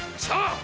さあ‼